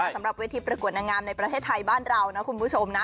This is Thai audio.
สำหรับเวทีประกวดนางงามในประเทศไทยบ้านเรานะคุณผู้ชมนะ